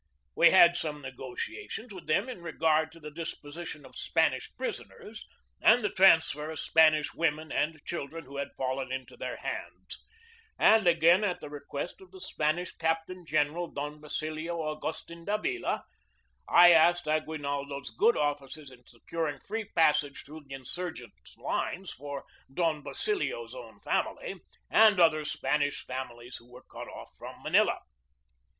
We had some negotiations with them in regard to the disposition of Spanish prisoners and the transfer of Spanish women and children who had fallen into their hands; and again, at the request of the Spanish captain general, Don Basilio Augustin Davila, I asked Agui naldo's good offices in securing free passage through the insurgent lines for Don Basilio's own family, 1 Appendix E. 248 GEORGE DEWEY and other Spanish families who were cut off from Manila.